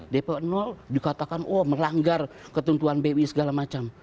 dp dikatakan oh melanggar ketentuan bi segala macam